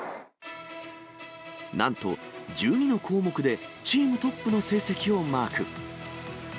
なんと１２の項目でチームトップの成績をマーク。